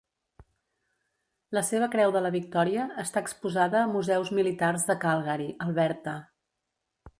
La seva creu de la victòria està exposada Museus Militars de Calgary, Alberta.